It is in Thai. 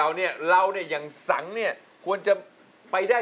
อ่าร้านที่๒นี่